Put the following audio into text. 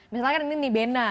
misalkan ini nih bena